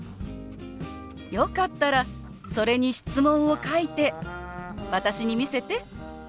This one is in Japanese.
よかったらそれに質問を書いて私に見せて。